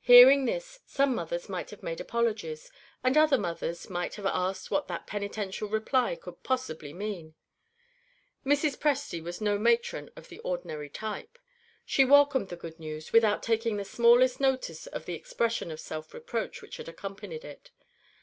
Hearing this, some mothers might have made apologies; and other mothers might have asked what that penitential reply could possibly mean. Mrs. Presty was no matron of the ordinary type. She welcomed the good news, without taking the smallest notice of the expression of self reproach which had accompanied it.